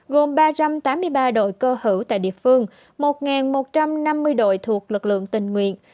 gồm ba trăm tám mươi ba đội cơ hữu tại địa phương một một trăm năm mươi đội thuộc lực lượng tình nguyện